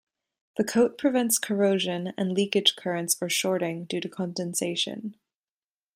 The coat prevents corrosion and leakage currents or shorting due to condensation.